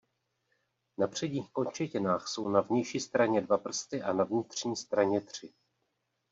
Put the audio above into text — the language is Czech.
Na předních končetinách jsou na vnější straně dva prsty a na vnitřní straně tři.